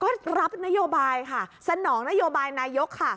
ก็รับนโยบายค่ะสนองนโยบายนายกค่ะ